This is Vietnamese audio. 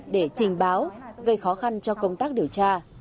để trình báo gây khó khăn cho công tác điều tra